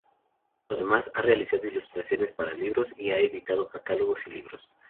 Además, ha realizado ilustraciones para libros y ha editado catálogos y libros.